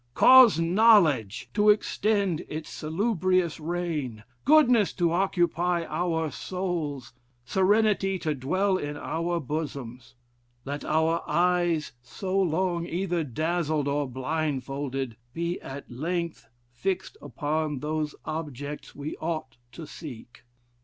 Cause knowledge to extend its salubrious reign, goodness to occupy our souls, serenity to dwell in our bosoms.... Let our eyes, so long either dazzled or blindfolded, be at length fixed upon those objects we ought to seek.